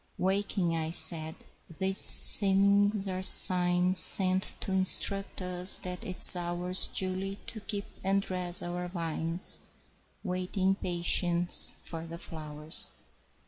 Waking, I said, "These things are signs Sent to insruct us that 'tis ours Duly to keep and dress our vines, Waiting in patience for the flowers.